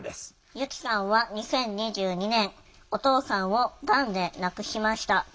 由希さんは２０２２年お父さんをがんで亡くしました。